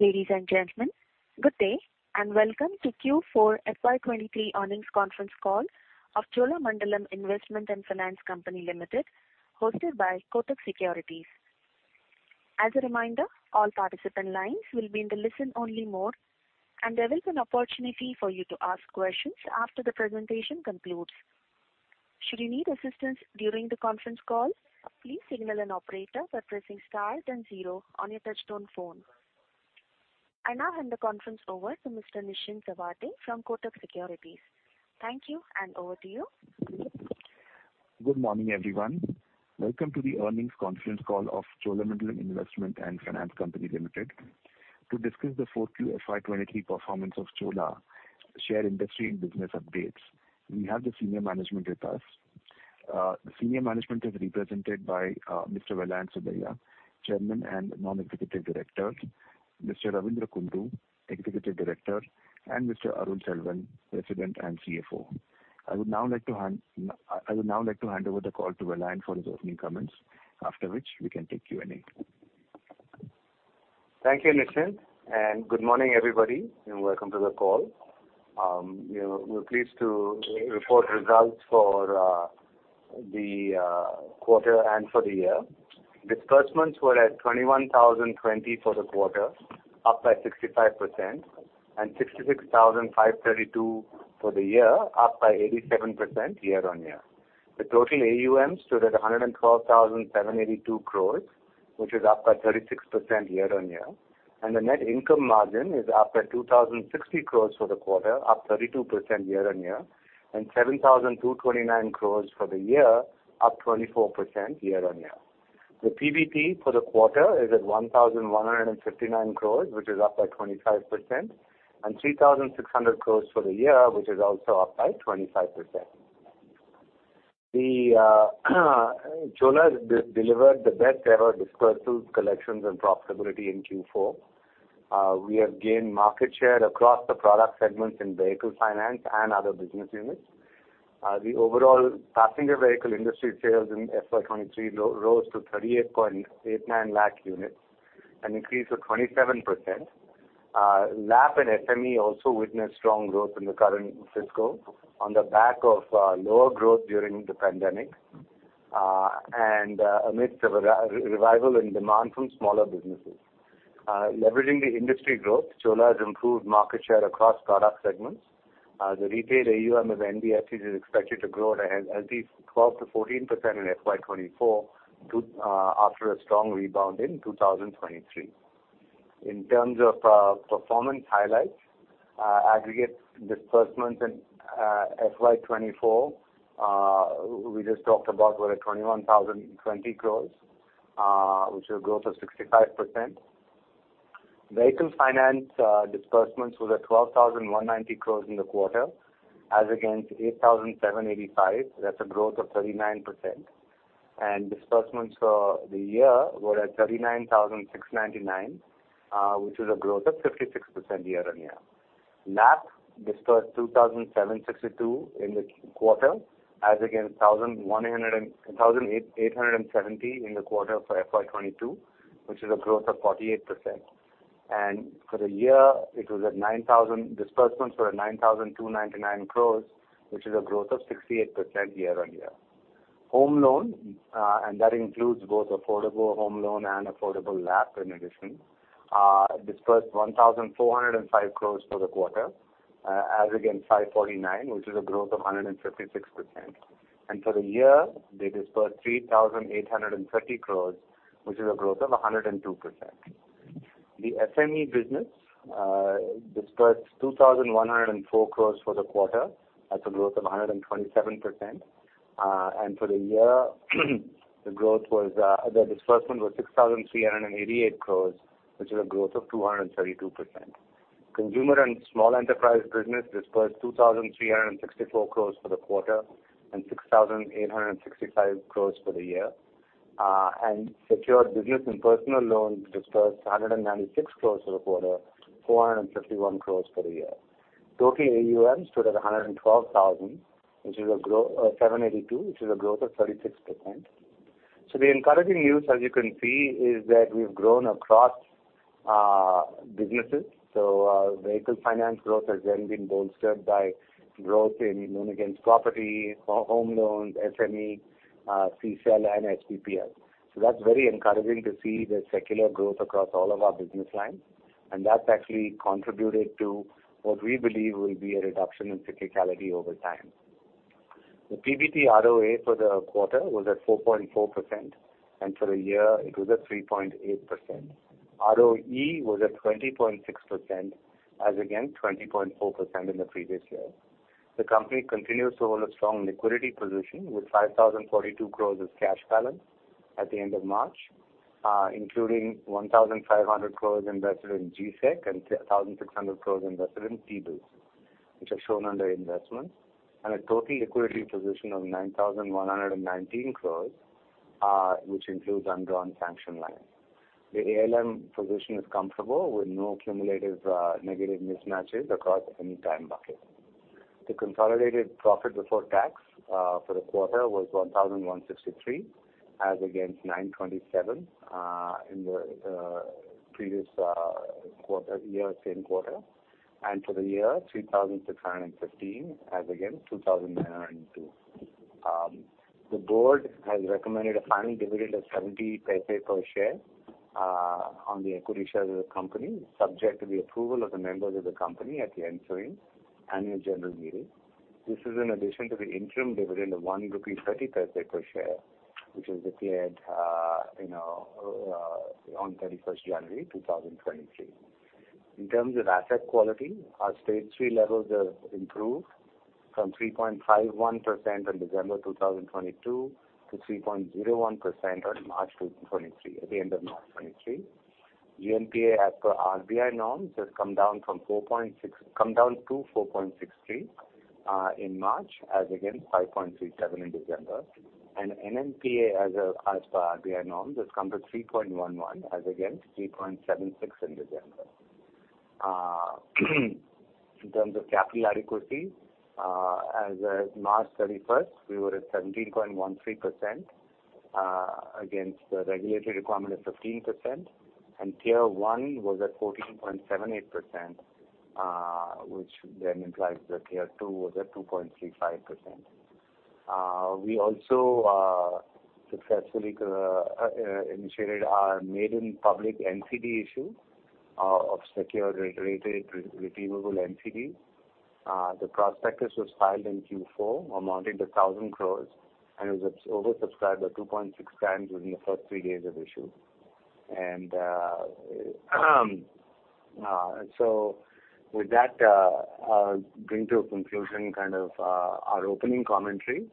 Ladies and gentlemen, good day and welcome to Q4 FY23 earnings conference call of Cholamandalam Investment and Finance Company Limited, hosted by Kotak Securities. As a reminder, all participant lines will be in the listen-only mode, and there will be an opportunity for you to ask questions after the presentation concludes. Should you need assistance during the conference call, please signal an operator by pressing star then zero on your touchtone phone. I now hand the conference over to Mr. Nischint Chawathe from Kotak Securities. Thank you, and over to you. Good morning, everyone. Welcome to the earnings conference call of Cholamandalam Investment and Finance Company Limited. To discuss the 4Q FY23 performance of Chola, share industry and business updates, we have the senior management with us. The senior management is represented by Mr. Vellayan Subbiah, Chairman and Non-Executive Director, Mr. Ravindra Kundu, Executive Director, and Mr. Arul Selvan, President and CFO. I would now like to hand over the call to Vellayan for his opening comments, after which we can take Q&A. Thank you, Nischint, and good morning, everybody, and welcome to the call. You know, we're pleased to re-report results for the quarter and for the year. Disbursements were at 21,020 for the quarter, up by 65% and 66,532 for the year, up by 87% year-on-year. The total AUM stood at 112,782 crores, which is up by 36% year-on-year. The net income margin is up at 2,060 crores for the quarter, up 32% year-on-year, and 7,229 crores for the year, up 24% year-on-year. The PBT for the quarter is at 1,159 crores, which is up by 25% and 3,600 crores for the year, which is also up by 25%. The Chola has delivered the best ever disbursements, collections and profitability in Q4. We have gained market share across the product segments in Vehicle Finance and other business units. The overall passenger vehicle industry sales in FY 2023 rose to 38.89 lakh units, an increase of 27%. LAP and SME also witnessed strong growth in the current fiscal on the back of lower growth during the pandemic, and amidst of a revival in demand from smaller businesses. Leveraging the industry growth, Chola has improved market share across product segments. The retail AUM of NBFCs is expected to grow at a healthy 12%-14% in FY 2024 after a strong rebound in 2023. In terms of performance highlights, aggregate disbursements in FY 2024, we just talked about were at 21,020 crores, which is a growth of 65%. Vehicle Finance disbursements was at 12,190 crores in the quarter as against 8,785. That's a growth of 39%. Disbursements for the year were at 39,699, which is a growth of 56% year-on-year. LAP disbursed 2,762 in the quarter as against 1,870 in the quarter for FY 2022, which is a growth of 48%. For the year it was at disbursements were at 9,299 crores, which is a growth of 68% year-on-year. Home Loan, that includes both affordable Home Loan and affordable LAP in addition, disbursed 1,405 crores for the quarter, as against 549 crores, which is a growth of 156%. For the year, they disbursed 3,830 crores, which is a growth of 102%. The SME business disbursed 2,104 crores for the quarter. That's a growth of 127%. For the year, the growth was, the disbursement was 6,388 crores, which is a growth of 232%. Consumer and Small Enterprise business disbursed 2,364 crores for the quarter and 6,865 crores for the year. Secured business and personal loans disbursed 196 crores for the quarter, 451 crores for the year. Total AUM stood at 112,782 crores, which is a growth of 36%. The encouraging news, as you can see, is that we've grown across businesses. Vehicle Finance growth has been bolstered by growth in loan against property, for home loans, SME, CSEL and SBPL. That's very encouraging to see the secular growth across all of our business lines, and that's actually contributed to what we believe will be a reduction in cyclicality over time. The PBT ROA for the quarter was at 4.4%, for the year it was at 3.8%. ROE was at 20.6% as against 20.4% in the previous year. The company continues to hold a strong liquidity position with 5,042 crores as cash balance at the end of March, including 1,500 crores invested in G-Sec and 1,600 crores invested in T-Bills, which are shown under investments, and a total liquidity position of 9,119 crores, which includes undrawn sanction line. The ALM position is comfortable with no cumulative negative mismatches across any time bucket. The consolidated profit before tax for the quarter was 1,163 as against 927 in the previous year, same quarter. For the year, 3,615 as against 2,902. The board has recommended a final dividend of 70 paise per share on the equity shares of the company, subject to the approval of the members of the company at the ensuing annual general meeting. This is in addition to the interim dividend of 1 Rupee 30 Paise per share, which was declared on January 31, 2023. In terms of asset quality, our Stage 3 levels have improved from 3.51% on December 2022 to 3.01% on March 2023, at the end of March 2023. GNPA as per RBI norms has come down to 4.63 in March as against 5.37 in December. NNPA as per RBI norms has come to 3.11 as against 3.76 in December. In terms of capital adequacy, as at March 31st, we were at 17.13% against the regulatory requirement of 15%. Tier-1 was at 14.78%, which then implies that Tier-2 was at 2.35%. We also successfully initiated our maiden public NCD issue of secured rated receivable NCD. The prospectus was filed in Q4 amounting to 1,000 crore and was oversubscribed by 2.6 times within the first three days of issue. With that, I'll bring to a conclusion kind of our opening commentary,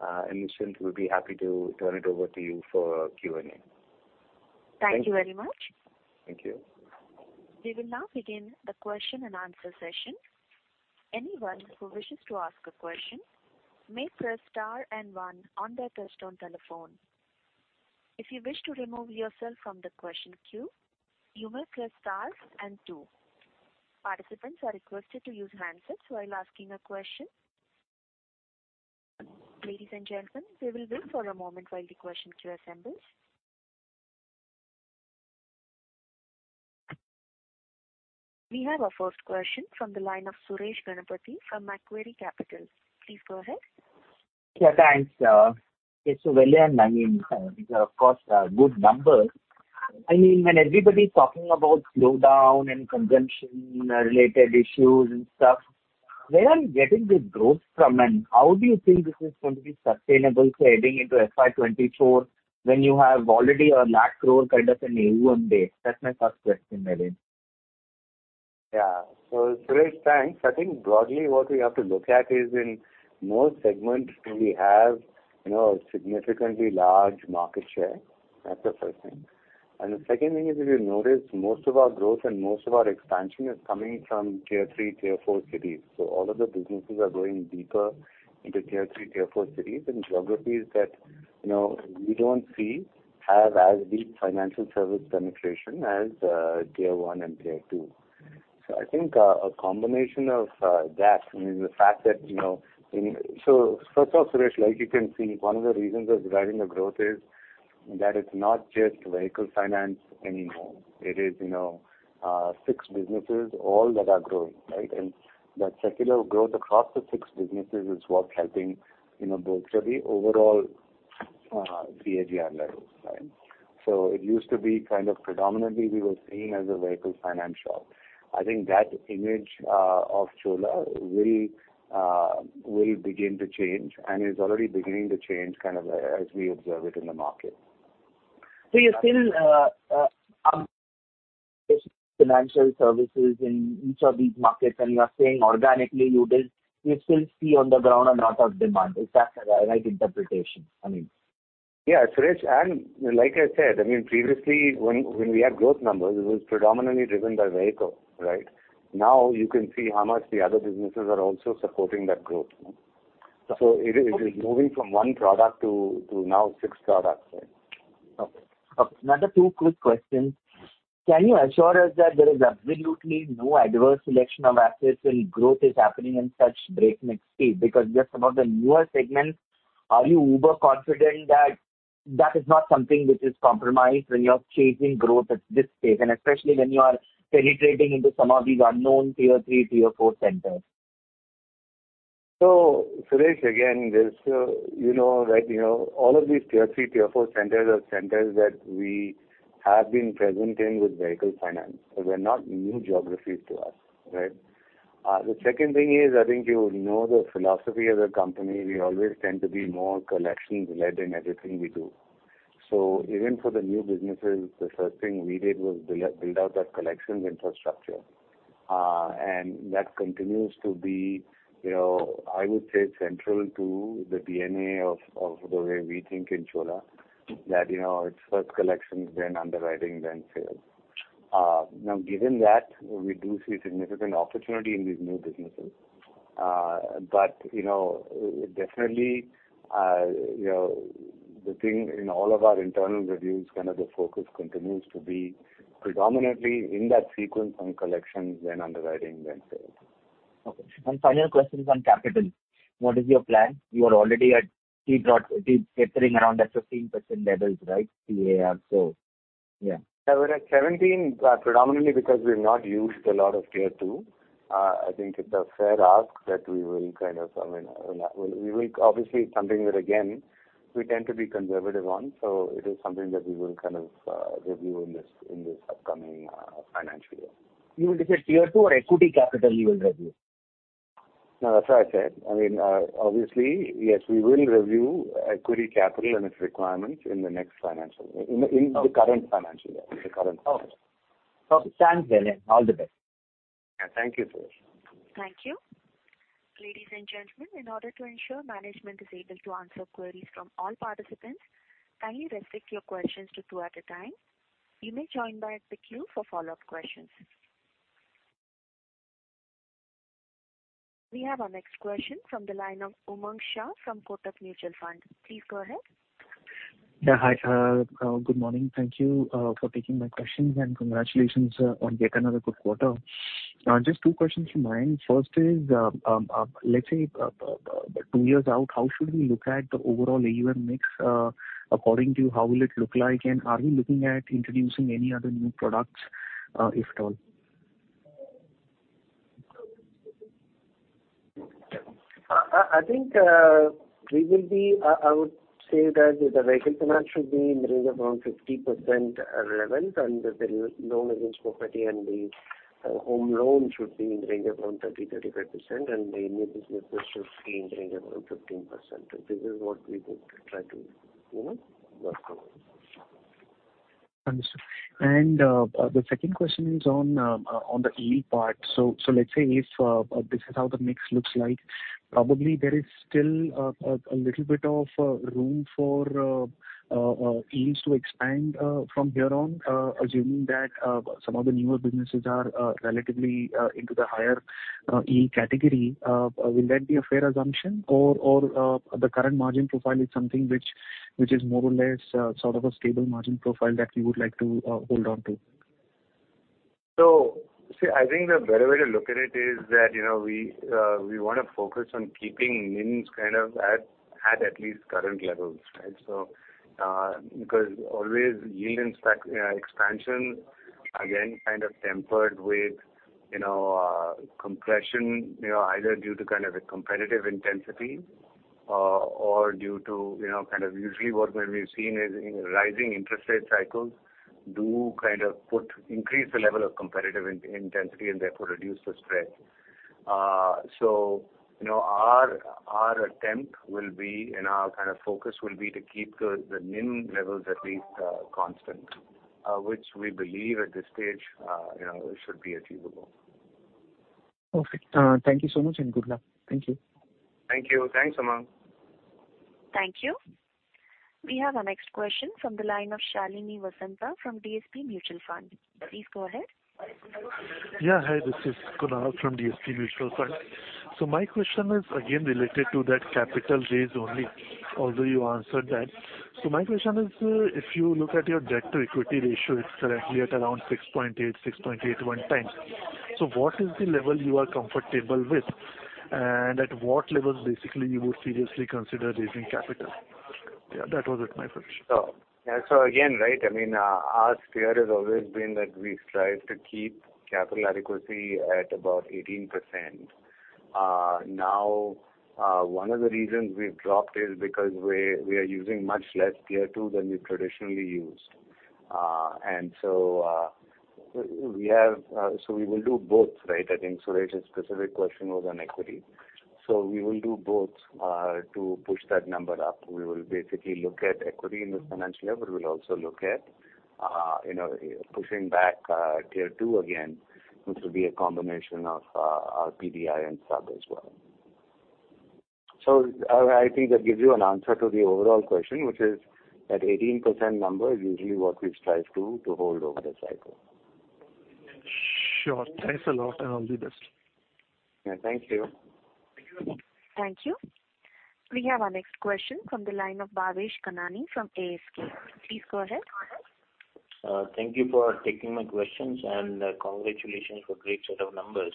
and Nischint will be happy to turn it over to you for Q&A. Thank you very much. Thank you. We will now begin the question-and-answer session. Anyone who wishes to ask a question may press star and one on their touch-tone telephone. If you wish to remove yourself from the question queue, you may press star and two. Participants are requested to use handsets while asking a question. Ladies and gentlemen, we will wait for a moment while the question queue assembles. We have our first question from the line of Suresh Ganapathy from Macquarie Capital. Please go ahead. Yeah, thanks. Vellayan, I mean, these are of course, good numbers. I mean, when everybody's talking about slowdown and consumption-related issues and stuff, where are you getting the growth from, and how do you think this is going to be sustainable heading into FY 2024 when you have already an 1 lakh crore kind of an AUM base? That's my first question, Vellayan. Yeah. Suresh, thanks. I think broadly what we have to look at is in most segments we have, you know, a significantly large market share. That's the first thing. The second thing is, if you notice, most of our growth and most of our expansion is coming from Tier 3, Tier 4 cities. All of the businesses are growing deeper into Tier 3, Tier 4 cities and geographies that, you know, we don't see have as deep financial service penetration as Tier 1, and Tier 2. I think, a combination of that and the fact that, you know... First of, Suresh, like you can see, one of the reasons of driving the growth is that it's not just Vehicle Finance anymore. It is, you know, six businesses all that are growing, right? That secular growth across the six businesses is what's helping, you know, both the overall CAGR levels, right. It used to be kind of predominantly we were seen as a Vehicle Finance shop. I think that image of Chola will begin to change and is already beginning to change kind of as we observe it in the market. You're still, financial services in each of these markets and you are saying organically you still see on the ground a lot of demand. Is that the right interpretation? Yeah, Suresh, like I said, I mean previously when we had growth numbers, it was predominantly driven by vehicle, right? Now you can see how much the other businesses are also supporting that growth. It is, it is moving from one product to now six products. Okay. Okay. Another two quick questions. Can you assure us that there is absolutely no adverse selection of assets when growth is happening in such breakneck speed? Just some of the newer segments, are you overconfident that that is not something which is compromised when you are chasing growth at this stage, and especially when you are penetrating into some of these unknown Tier 3, Tier 4 centers? Suresh, again, there's, you know, like, you know, all of these Tier 3, Tier 4 centers are centers that we have been present in with Vehicle Finance. They're not new geographies to us, right? The second thing is, I think you know the philosophy of the company. We always tend to be more collections-led in everything we do. Even for the new businesses, the first thing we did was build out that collections infrastructure. That continues to be, you know, I would say, central to the DNA of the way we think in Chola that, you know, it's first collections, then underwriting, then sales. Now given that, we do see significant opportunity in these new businesses. You know, definitely, The thing in all of our internal reviews, kind of the focus continues to be predominantly in that sequence on collections, then underwriting, then sales. Okay. One final question is on capital. What is your plan? You are already at around that 15% levels, right? CAR, so yeah. Yeah, we're at 17, predominantly because we've not used a lot of Tier-2. I think it's a fair ask that we will kind of, I mean, we will obviously something that, again, we tend to be conservative on. It is something that we will kind of, review in this, in this upcoming, financial year. You will decide Tier-2 or equity capital you will review? No, that's what I said. I mean, obviously, yes, we will review equity capital and its requirements in the next financial year. In the current financial year. In the current financial year. Okay. Sounds good. All the best. Thank you, Suresh. Thank you. Ladies and gentlemen, in order to ensure management is able to answer queries from all participants, kindly restrict your questions to two at a time. You may join back the queue for follow-up questions. We have our next question from the line of Umang Shah from Kotak Mutual Fund. Please go ahead. Yeah, hi. Good morning. Thank you, for taking my questions, and congratulations on yet another good quarter. Just two questions from my end. First is, let's say, two years out, how should we look at the overall AUM mix? According to you, how will it look like and are we looking at introducing any other new products, if at all? I think, I would say that the regular finance should be in the range of around 50% levels. The loan against property and the home loans should be in the range of around 30%-35%. The new business should be in the range of around 15%. This is what we would try to, you know, work on. Second question is on the yield part. Let's say if this is how the mix looks like, probably there is still a little bit of room for yields to expand from here on, assuming that some of the newer businesses are relatively into the higher yield category. Will that be a fair assumption? Or the current margin profile is something which is more or less a stable margin profile that you would like to hold on to? See, I think the better way to look at it is that, you know, we want to focus on keeping NIMs kind of at least current levels, right? Because always yield and stack expansion, again, kind of tempered with, you know, compression, you know, either due to kind of a competitive intensity or due to, you know, kind of usually what we've seen is rising interest rate cycles do kind of put increase the level of competitive intensity and therefore reduce the spread. You know, our attempt will be and our kind of focus will be to keep the NIM levels at least constant, which we believe at this stage, you know, should be achievable. Perfect. Thank you so much and good luck. Thank you. Thank you. Thanks, Umang. Thank you. We have our next question from the line of Shalini Vasanta from DSP Mutual Fund. Please go ahead. Hi, this is Kunal from DSP Mutual Fund. My question is again related to that capital raise only, although you answered that. My question is, if you look at your debt to equity ratio, it's currently at around 6.8, 6.81 times. What is the level you are comfortable with? At what level basically you would seriously consider raising capital? That was my first question. Again, right, I mean, our spirit has always been that we strive to keep capital adequacy at about 18%. Now, one of the reasons we've dropped is because we are using much less Tier-2 than we traditionally used. We will do both, right? I think Suresh's specific question was on equity. We will do both to push that number up. We will basically look at equity in this financial year. We'll also look at, you know, pushing back Tier-2 again, which will be a combination of our PBI and sub as well. I think that gives you an answer to the overall question, which is that 18% number is usually what we strive to hold over the cycle. Sure. Thanks a lot and all the best. Yeah, thank you. Thank you. We have our next question from the line of Bhavesh Kanani from ASK. Please go ahead. Thank you for taking my questions, and congratulations for great set of numbers.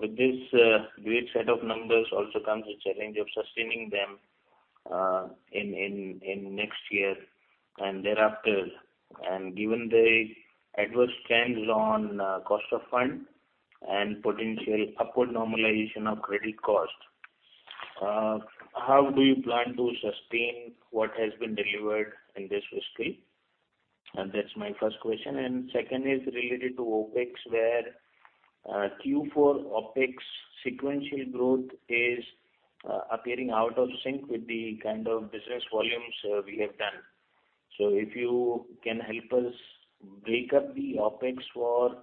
With this, great set of numbers also comes the challenge of sustaining them in next year and thereafter. Given the adverse trends on cost of fund and potential upward normalization of credit cost, how do you plan to sustain what has been delivered in this fiscal? That's my first question. Second is related to OpEx, where Q4 OpEx sequential growth is appearing out of sync with the kind of business volumes we have done. If you can help us break up the OpEx for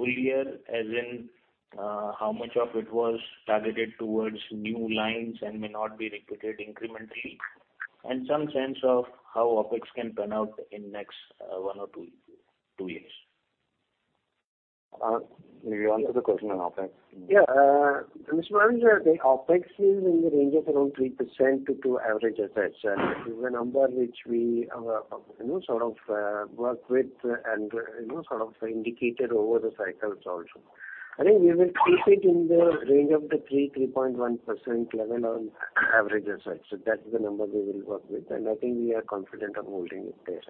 full year, as in, how much of it was targeted towards new lines and may not be repeated incrementally, and some sense of how OpEx can turn out in next one or two years. Can you answer the question on OpEx? Mr. The OpEx is in the range of around 3% to average assets. It's a number which we, you know, sort of work with and, you know, sort of indicated over the cycles also. I think we will keep it in the range of the 3%-3.1% level on average assets. That's the number we will work with, and I think we are confident of holding it there.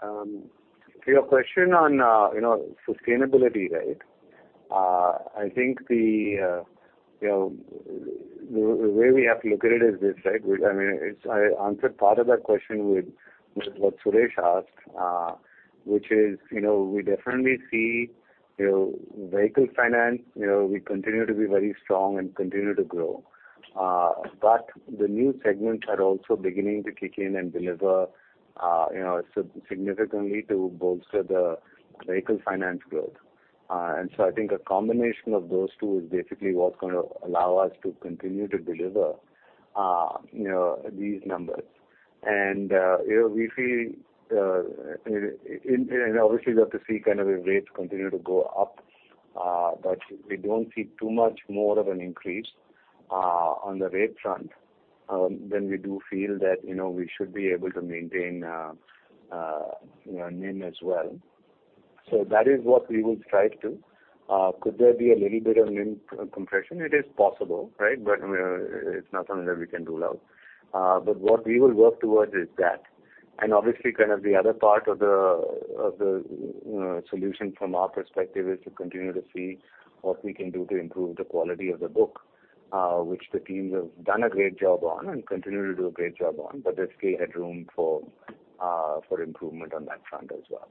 To your question on, you know, sustainability, right? I think the, you know, the way we have to look at it is this, right? Which I mean, I answered part of that question with what Suresh asked, which is, you know, we definitely see, you know, Vehicle Finance, you know, we continue to be very strong and continue to grow. The new segments are also beginning to kick in and deliver, you know, significantly to bolster the Vehicle Finance growth. I think a combination of those two is basically what's gonna allow us to continue to deliver, you know, these numbers. You know, we feel, in, and obviously we have to see kind of the rates continue to go up. We don't see too much more of an increase on the rate front, then we do feel that, you know, we should be able to maintain, you know, NIM as well. That is what we will strive to. Could there be a little bit of NIM compression? It is possible, right? I mean, it's not something that we can rule out. What we will work towards is that. Obviously kind of the other part of the, you know, solution from our perspective is to continue to see what we can do to improve the quality of the book, which the teams have done a great job on and continue to do a great job on. There's still headroom for improvement on that front as well.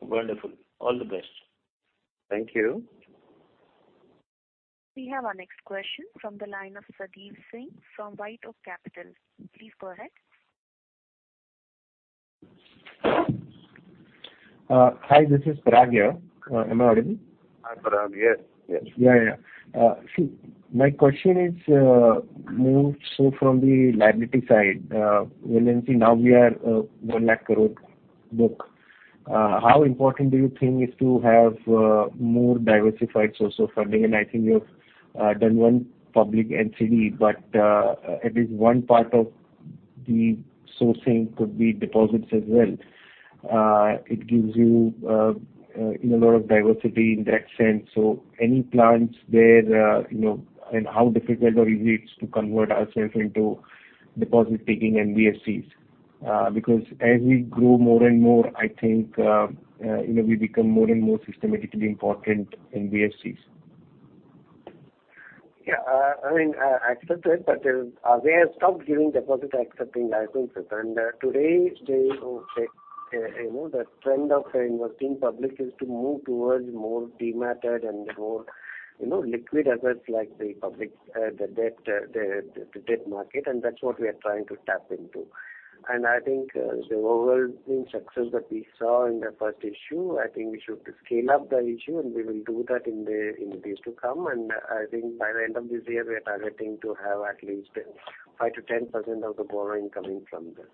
Wonderful. All the best. Thank you. We have our next question from the line of Sadiq Singh from White Oak Capital. Please go ahead. Hi, this is Parag here. Am I audible? Hi, Parag. Yes, yes. Yeah, yeah. See, my question is more so from the liability side. When you see now we are 1 lakh crore book, how important do you think is to have more diversified source of funding? I think you've done one public NCD, but at least one part of the sourcing could be deposits as well. It gives you know, lot of diversity in that sense. Any plans there, you know, and how difficult or easy it's to convert ourselves into deposit taking NBFCs? Because as we grow more and more, I think, you know, we become more and more systematically important NBFCs. I mean, I accept it, they have stopped giving deposit accepting licenses. Today they, you know, the trend of investing public is to move towards more dematted and more, you know, liquid assets like the public, the debt market, and that's what we are trying to tap into. I think, the overall, the success that we saw in the first issue, I think we should scale up the issue, and we will do that in days to come. I think by the end of this year, we are targeting to have at least 5%-10% of the borrowing coming from this.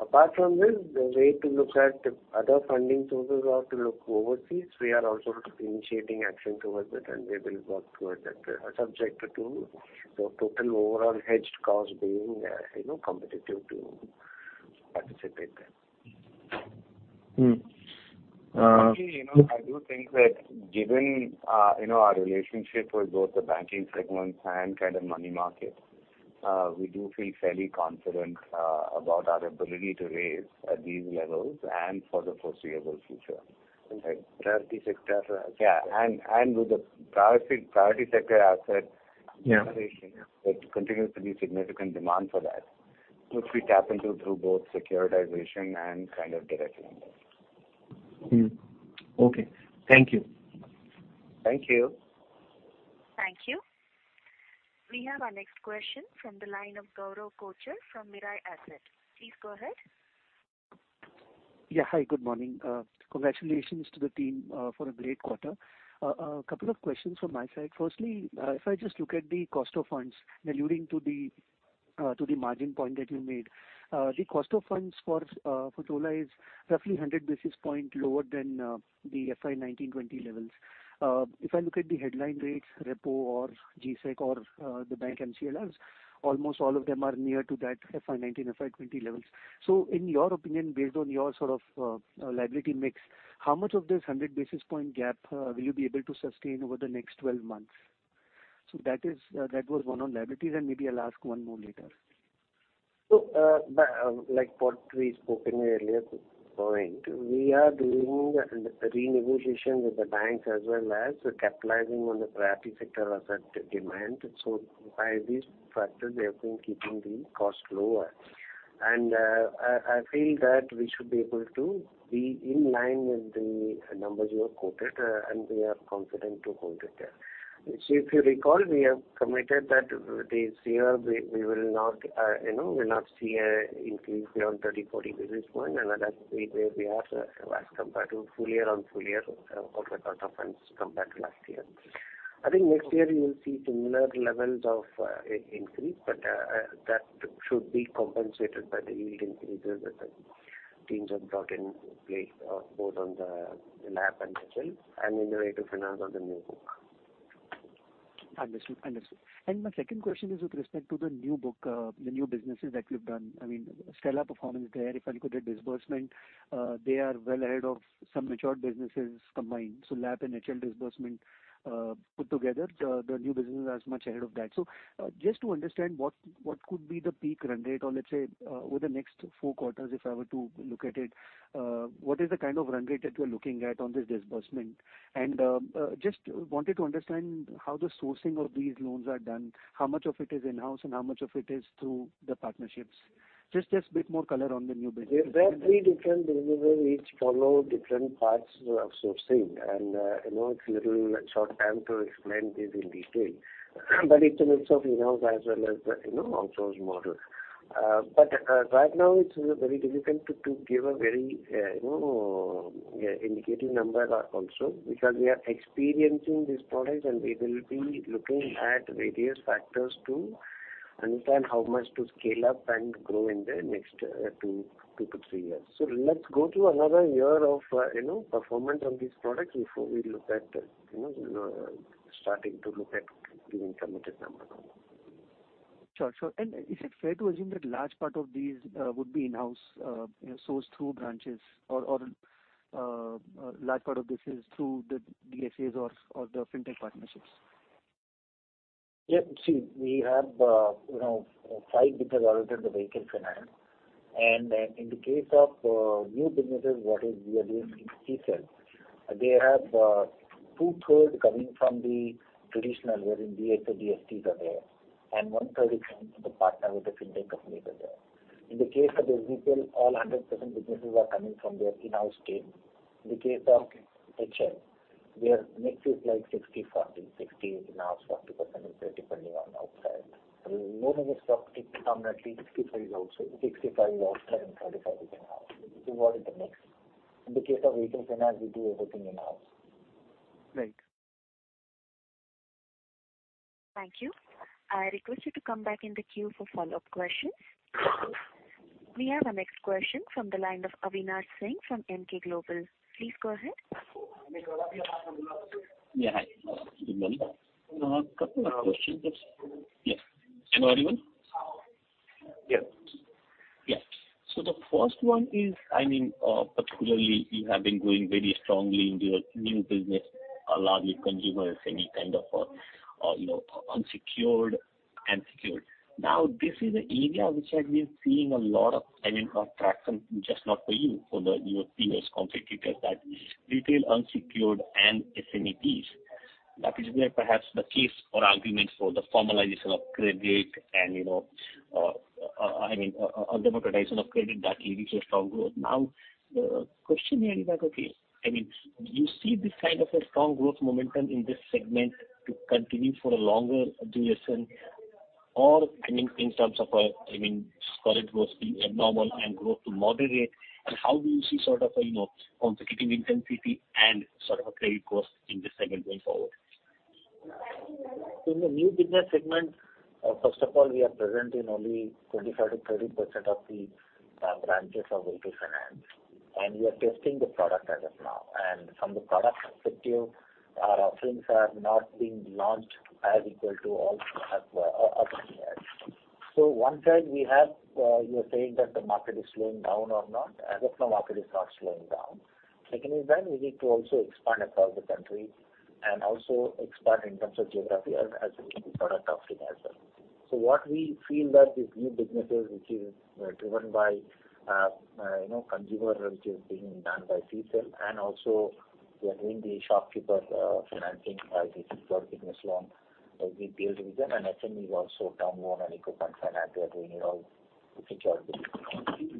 Apart from this, the way to look at other funding sources are to look overseas. We are also initiating action towards it, and we will work towards that, subject to the total overall hedged cost being, you know, competitive to participate there. Mm. Uh- Actually, you know, I do think that given, you know, our relationship with both the banking segments and kind of money markets, we do feel fairly confident, about our ability to raise at these levels and for the foreseeable future. Okay. Priority sector. Yeah. with the priority sector asset- Yeah. -generation, there continues to be significant demand for that, which we tap into through both securitization and kind of direct lending. Okay. Thank you. Thank you. Thank you. We have our next question from the line of Gaurav Kochar from Mirae Asset. Please go ahead. Hi, good morning. Congratulations to the team for a great quarter. Couple of questions from my side. Firstly, if I just look at the cost of funds alluding to the margin point that you made. The cost of funds for Chola is roughly 100 basis point lower than the FY 2019-2020 levels. If I look at the headline rates, repo or G-Sec or the bank MCLRs, almost all of them are near to that FY 2019, FY 2020 levels. In your opinion, based on your sort of liability mix, how much of this 100 basis point gap will you be able to sustain over the next 12 months? That was one on liabilities, and maybe I'll ask one more later. Like what we spoken earlier point, we are doing renegotiation with the banks as well as capitalizing on the priority sector asset demand. By these factors they have been keeping the cost lower. I feel that we should be able to be in line with the numbers you have quoted, and we are confident to hold it there. If you recall, we have committed that this year we will not, you know, we'll not see a increase beyond 30, 40 basis points and that's where we are as compared to full year on full year of the cost of funds compared to last year. I think next year you will see similar levels of increase, but that should be compensated by the yield increases that the teams have brought in place, both on the LAP and HL and innovative finance on the new book. Understood. My second question is with respect to the new book, the new businesses that you've done. I mean, stellar performance there. If I look at disbursement, they are well ahead of some matured businesses combined. LAP and HL disbursement, put together, the new businesses are much ahead of that. Just to understand what could be the peak run rate or let's say, over the next four quarters, if I were to look at it, what is the kind of run rate that you're looking at on this disbursement? Just wanted to understand how the sourcing of these loans are done, how much of it is in-house, and how much of it is through the partnerships. Just a bit more color on the new business. There are three different delivery, each follow different paths of sourcing. you know, it's little short time to explain this in detail. It's a mix of in-house as well as the, you know, outsourced model. right now it's very difficult to give a very, you know, indicative number also because we are experiencing these products and we will be looking at various factors to understand how much to scale up and grow in the next two-three years. Let's go through another year of, you know, performance on these products before we look at, you know, starting to look at giving committed number. Sure, sure. Is it fair to assume that large part of these, would be in-house, you know, sourced through branches or, a large part of this is through the DSAs or the fintech partnerships? Yeah. See, we have, you know, five businesses other than the Vehicle Finance. In the case of new businesses, what is we are doing in CSEL, they have 2/3 coming from the traditional wherein DSA, DSTs are there and 1/3 is coming from the partner with the fintech companies are there. In the case of the vehicle, all 100% businesses are coming from their in-house team. In the case of HNL where mix is like 60/40. 60 is in-house, 40% is depending on outside. Loan against property come at least 65 is outside and 35 is in-house. What is the mix. In the case of Vehicle Finance we do everything in-house. Right. Thank you. I request you to come back in the queue for follow-up questions. We have our next question from the line of Avinash Singh from Emkay Global. Please go ahead. Yeah. Hi. Good morning. couple of questions. Yes. Can you hear me? Yes. The first one is, I mean, particularly you have been growing very strongly into your new business, largely consumer, SME kind of, you know, unsecured and secured. This is an area which has been seeing a lot of, I mean, attraction just not for you, for the your peers competitors, that is retail, unsecured and SMEs. That is where perhaps the case or argument for the formalization of credit and, you know, I mean, a democratization of credit that leads to a strong growth. Question here is that, okay, I mean, do you see this kind of a strong growth momentum in this segment to continue for a longer duration? I mean, in terms of I mean, call it was being abnormal and growth to moderate and how do you see sort of a, you know, competitive intensity and sort of a credit cost in this segment going forward? In the new business segment, first of all we are present in only 25%-30% of the branches of Vehicle Finance and we are testing the product as of now. From the product perspective our offerings have not been launched as equal to all as of yet. One side we have, you are saying that the market is slowing down or not. As of now market is not slowing down. Second is that we need to also expand across the country and also expand in terms of geography as a new product offering as well. What we feel that these new businesses which is driven by, you know, consumer which is being done by TCEL and also we are doing the shopkeepers financing by the small business loan, we build with them and SME also term loan and equipment finance we are doing it all with the.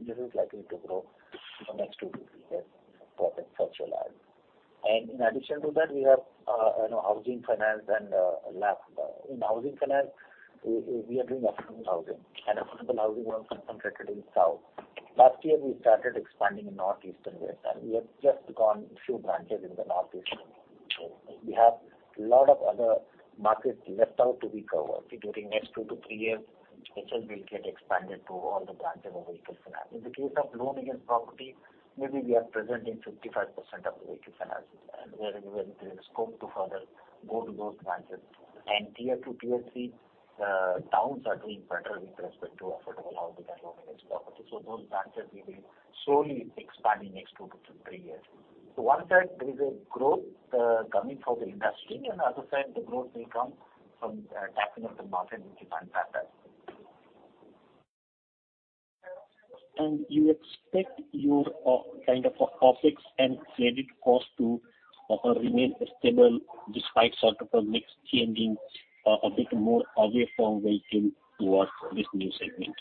This is likely to grow for next two-three years for potential add. In addition to that we have, you know, housing finance and LAP. In housing finance we are doing affordable housing and affordable housing was concentrated in south. Last year we started expanding in northeastern way and we have just gone few branches in the northeast. We have lot of other markets left out to be covered during next two-three years, which will get expanded to all the branches of Vehicle Finance. In the case of loan against property, maybe we are present in 55% of the Vehicle Finances and where there is scope to further go to those branches and Tier 2, Tier 3 towns are doing better with respect to affordable housing and loan against property. Those branches we will slowly expand in next two-three years. One side there is a growth coming from the industry and other side the growth will come from tapping of the market which is unbanked as well. You expect your kind of OpEx and credit cost to remain stable despite sort of a mix changing a bit more away from vehicle towards this new segment?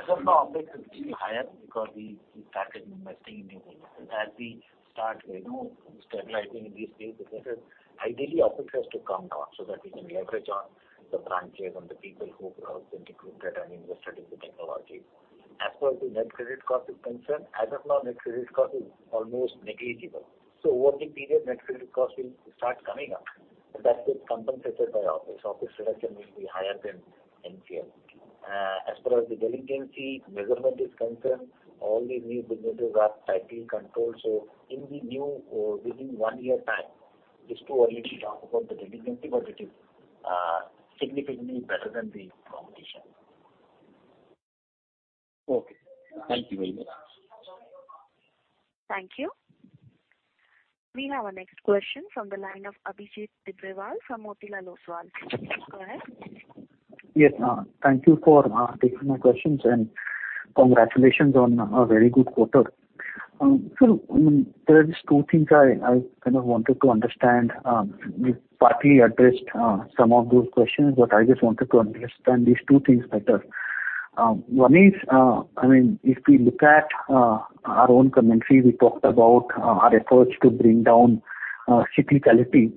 As of now OpEx will be higher because we started investing in new businesses. As we start, you know, stabilizing these businesses, ideally OpEx has to come down so that we can leverage on the branches and the people who have been recruited and invested in the technology. As far as the net credit cost is concerned, as of now, net credit cost is almost negligible. Over the period, net credit cost will start coming up, but that gets compensated by OpEx. OpEx reduction will be higher than NCL. As far as the delinquency measurement is concerned, all the new businesses are tightly controlled. In the new, within one year time, it's too early to talk about the delinquency, but it is significantly better than the competition. Okay. Thank you very much. Thank you. We have our next question from the line of Abhijit Tibrewal from Motilal Oswal. Go ahead. Yes. thank you for taking my questions, and congratulations on a very good quarter. Sir, there are these two things I kind of wanted to understand. you've partly addressed some of those questions, but I just wanted to understand these two things better. one is, I mean, if we look at our own commentary, we talked about our efforts to bring down cyclicality.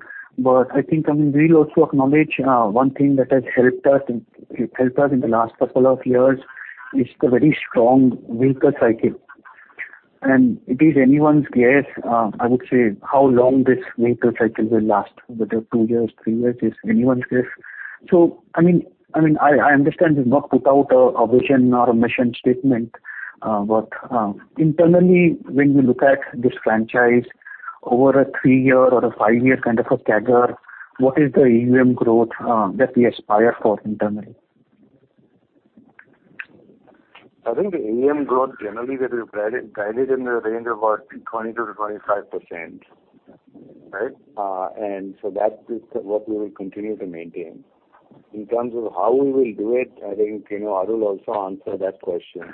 I think, I mean, we'll also acknowledge one thing that has helped us in the last couple of years is the very strong vehicle cycle. It is anyone's guess, I would say, how long this vehicle cycle will last, whether two years, three years. It's anyone's guess. I mean, I understand it's not without a vision or a mission statement, but internally, when you look at this franchise over a three-year or a five-year kind of a CAGR, what is the AUM growth that we aspire for internally? I think the AUM growth generally that we've guided in the range of 20%-25%. Right? That is what we will continue to maintain. In terms of how we will do it, I think, you know, Arul also answered that question,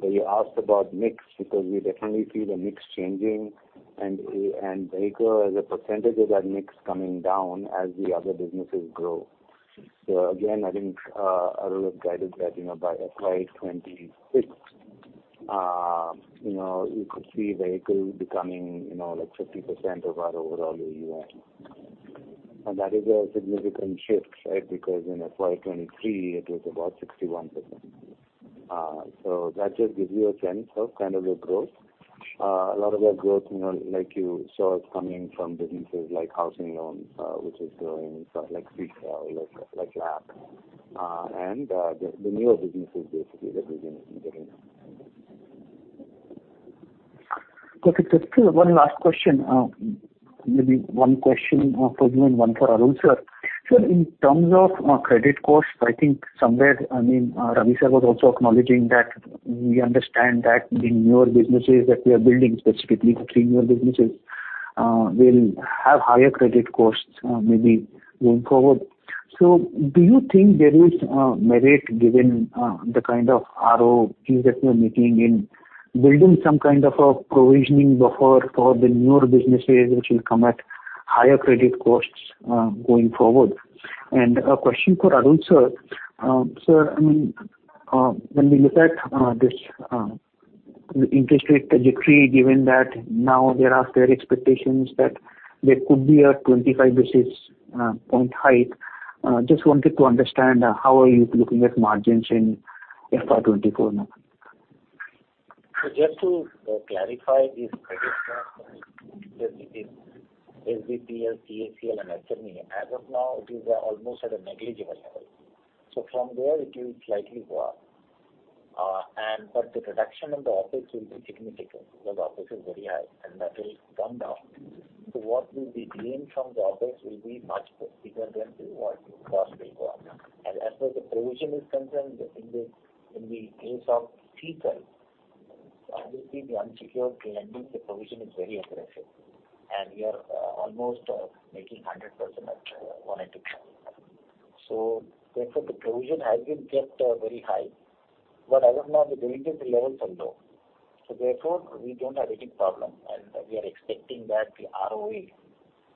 where you asked about mix, because we definitely see the mix changing and vehicle as a percentage of that mix coming down as the other businesses grow. Again, I think, Arul has guided that, you know, by FY 2026, you know, you could see vehicle becoming, you know, like 50% of our overall AUM. That is a significant shift, right? Because in FY 2023 it was about 61%. That just gives you a sense of kind of the growth. A lot of our growth, you know, like you saw, is coming from businesses like housing loans, which is growing, so like retail, like LAP. The, the newer businesses basically that we've been getting. Okay. Just one last question. Maybe one question for you and one for Arul, sir. Sir, in terms of credit costs, I think somewhere, I mean, Ravi sir was also acknowledging that we understand that the newer businesses that we are building, specifically the three newer businesses, will have higher credit costs, maybe going forward. Do you think there is merit given the kind of ROEs that you're making in building some kind of a provisioning buffer for the newer businesses which will come at higher credit costs, going forward? A question for Arul, sir. Sir, I mean, when we look at, this, the interest rate trajectory, given that now there are fair expectations that there could be a 25 basis point hike, just wanted to understand, how are you looking at margins in FY 2024 now? Just to clarify this credit cost, whether it is SBPL, CSEL and HL, as of now it is almost at a negligible level. From there it will slightly go up. The reduction in the OpEx will be significant because OpEx is very high and that will come down. What will be gained from the OpEx will be much bigger than what the cost will go up. As far as the provision is concerned, I think the, in the case of CSEL, obviously the unsecured lending, the provision is very aggressive and we are almost making 100% of one at a time. Therefore, the provision has been kept, very high, but as of now the delinquency levels are low, so therefore we don't have any problem, and we are expecting that the ROE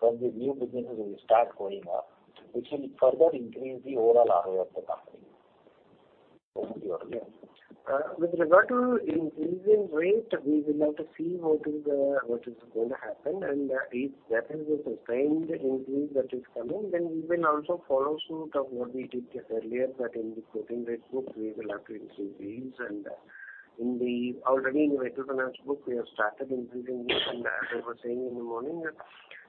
from the new businesses will start going up, which will further increase the overall ROE of the company. Okay. With regard to increasing rate, we will have to see what is going to happen. If that is a sustained increase that is coming, then we will also follow suit of what we did earlier that in the floating rate book we will have to increase rates. Already in the Vehicle Finance book we have started increasing rates. As I was saying in the morning,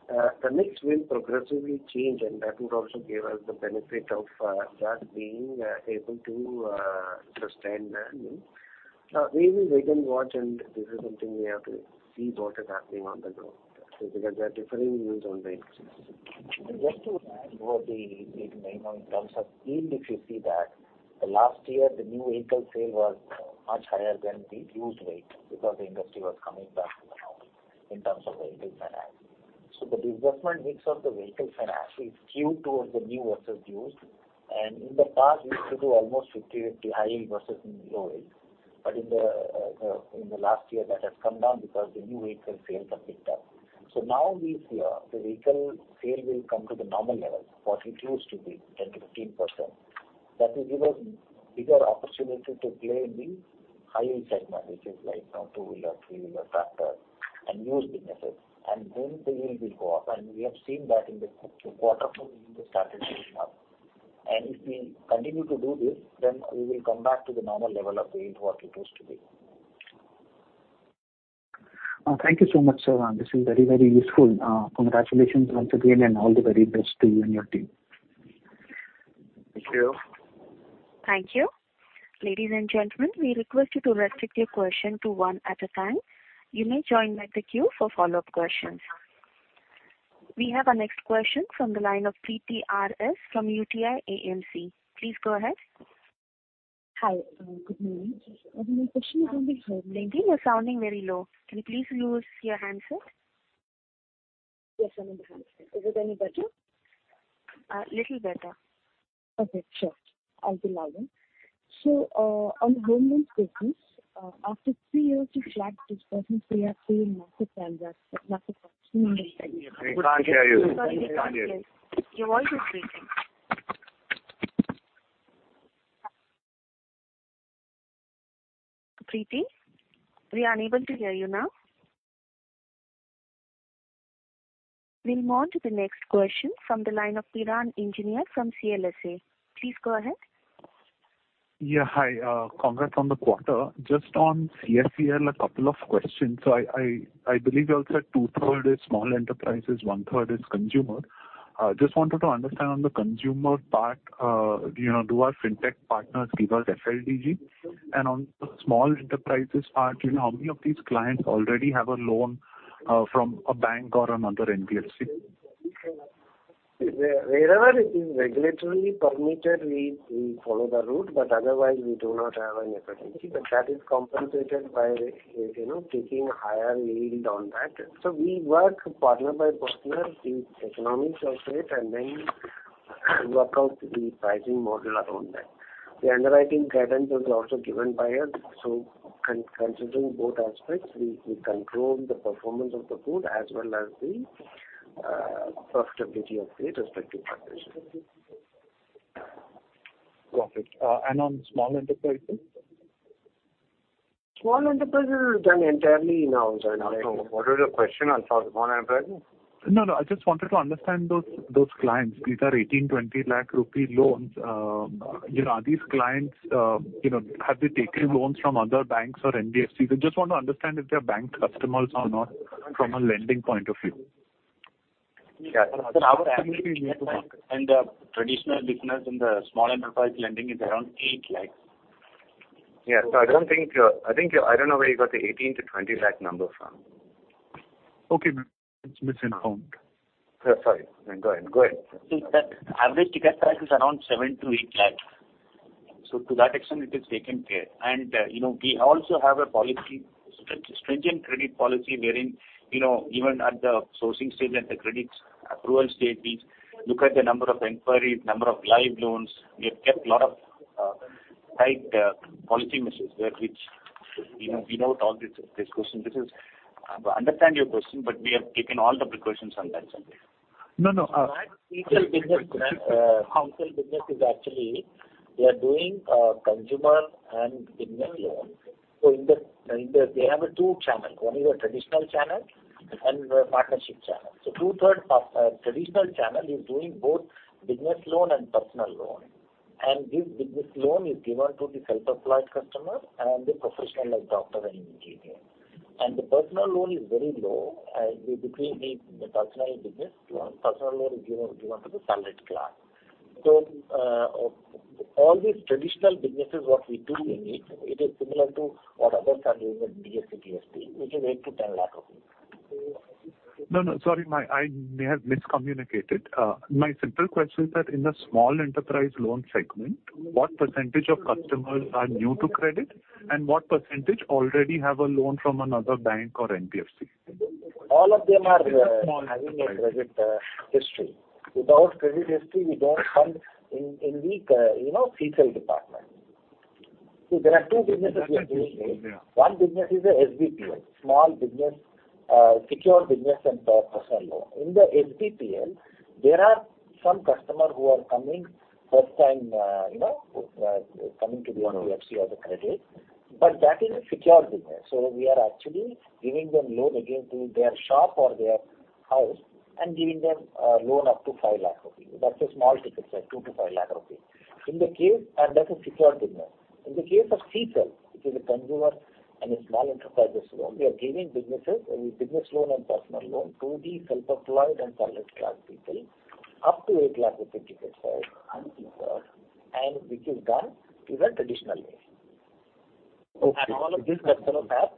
the mix will progressively change and that would also give us the benefit of that being able to sustain that mix. We will wait and watch. This is something we have to see what is happening on the ground because there are differing views on the interest. Just to add what the Yeah. In terms of yield if you see that the last year the new vehicle sale was much higher than the used rate because the industry was coming back to normal in terms of Vehicle Finance. The disbursement mix of the Vehicle Finance is skewed towards the new versus used and in the past used to do almost 50/50 high yield versus low yield. In the last year that has come down because the new vehicle sales have picked up. Now this year the vehicle sale will come to the normal level what it used to be 10%-15%. That will give us bigger opportunity to play in the high-yield segment which is like, two-wheeler, three-wheeler, tractor and used businesses and then the yield will go up and we have seen that in the quarter one we started seeing that. If we continue to do this, then we will come back to the normal level of the interest what it used to be. Thank you so much, sir. This is very, very useful. Congratulations once again, and all the very best to you and your team. Thank you. Thank you. Ladies and gentlemen, we request you to restrict your question to one at a time. You may join back the queue for follow-up questions. We have our next question from the line of Preethi RS from UTI AMC. Please go ahead. Hi, good morning. My question is on the- Preethi, you're sounding very low. Can you please use your headset? Yes, I'm on the handset. Is it any better? Little better. Okay, sure. I'll be louder. On the government business, after three years of flat disbursement, we are seeing massive trends. We can't hear you. Sorry, we can't hear. Your voice is breaking. Preethi, we are unable to hear you now. We'll move on to the next question from the line of Kiran Engineer from CLSA. Please go ahead. Yeah. Hi. Congrats on the quarter. Just on CSEL, a couple of questions. I believe you all said 2/3 is small enterprises, 1/3 is consumer. Just wanted to understand on the consumer part, you know, do our fintech partners give us FLDG? On the small enterprises part, you know, how many of these clients already have a loan from a bank or another NBFC? Wherever it is regulatory permitted, we follow the route, but otherwise we do not have an agency. That is compensated by, you know, taking a higher yield on that. We work partner by partner, the economics of it, and then work out the pricing model around that. The underwriting guidance is also given by us, so considering both aspects, we control the performance of the port as well as the profitability of the respective partners. Perfect. On small enterprises? Small enterprises is done entirely in our- What was the question on small enterprises? No. I just wanted to understand those clients. These are 18-20 lakh rupee loans. You know, are these clients, you know, have they taken loans from other banks or NBFCs? I just want to understand if they're bank customers or not from a lending point of view. Yeah. Our average ticket size in the traditional business, in the small enterprise lending is around 8 lakh. Yeah. I don't know where you got the 18 lakh-20 lakh number from. Okay. It's misinformed. Sorry. Go ahead. The average ticket size is around 7-8 lakh. To that extent it is taken care. You know, we also have a policy, stringent credit policy wherein, you know, even at the sourcing stage, at the credit approval stage, we look at the number of inquiries, number of live loans. We have kept lot of tight policy measures there which, you know, we know all this question. I understand your question, we have taken all the precautions on that someday. No, no. Business is actually we are doing consumer and business loan. We have two channels. One is a traditional channel and a partnership channel. 2/3 of traditional channel is doing both business loan and personal loan. This business loan is given to the self-employed customer and the professional like doctor and engineer. The personal loan is very low between the personal business loan. Personal loan is given to the salaried class. All these traditional businesses, what we do in it is similar to what others are doing with DSA, which is 8-10 lakh rupees. No, no. Sorry, I may have miscommunicated. My simple question is that in a small enterprise loan segment, what percentage of customers are new to credit and what percentage already have a loan from another bank or NBFC? All of them are having a credit history. Without credit history, we don't fund in the, you know, CSEL department. There are two businesses we are doing here. One business is a SBPL, small business, secured business and personal loan. In the SBPL, there are some customer who are coming first time, you know, coming to the NBFC or the credit, that is a secured business. We are actually giving them loan against their shop or their house and giving them a loan up to 5 lakh rupees. That's a small ticket, say 2 lakh-5 lakh rupees. That is secured business. In the case of CSEL, which is a consumer and a small enterprise loan, we are giving businesses, business loan and personal loan to the self-employed and salaried class people up to 8 lakh rupees ticket size and secure and which is done through the traditional way. Okay. All of these customers have,